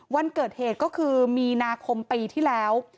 วันเกิดเหตุก็คือมีนาคมปีที่แล้ว